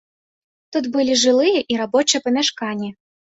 Тут былі жылыя і рабочыя памяшканні.